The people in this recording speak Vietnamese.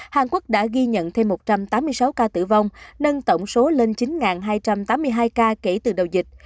hàn quốc đã ghi nhận thêm một trăm tám mươi sáu ca tử vong nâng tổng số lên chín hai trăm tám mươi hai ca kể từ đầu dịch